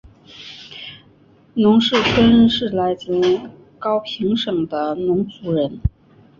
农氏春是来自高平省的侬族人。